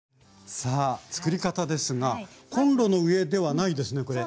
さあ作り方ですがコンロの上ではないですねこれ。